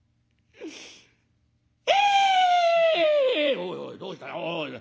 「おいおいどうしたおい。